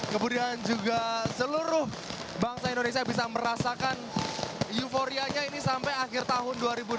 kemudian juga seluruh bangsa indonesia bisa merasakan euforianya ini sampai akhir tahun dua ribu delapan belas